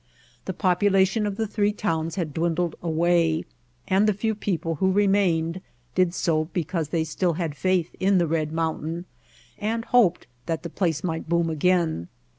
The population of the three towns had dwindled away and the few people who remained did so because they still had faith in the red mountain and hoped that the place might boom again.